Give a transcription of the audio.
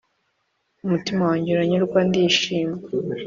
Umutima wanjye uranyurwa ndishima